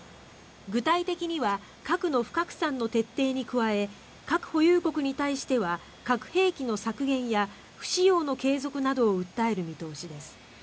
具体的には核の不拡散の徹底に加え核保有国に対しては核兵器の削減や不使用の継続などを訴える見通しです。